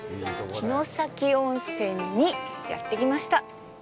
城崎温泉にやってきました。